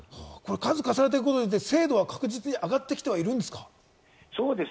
数を重ねることによって精度は確実に上がってきているんですか？